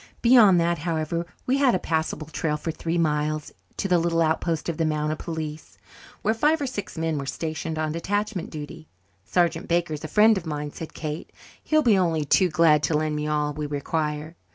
Beyond that, however, we had a passable trail for three miles to the little outpost of the Mounted Police, where five or six men were stationed on detachment duty. "Sergeant Baker is a friend of mine," said Kate. "He'll be only too glad to lend me all we require."